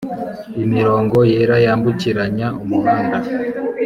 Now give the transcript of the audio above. imirongo yera yambukiranya umuhanda.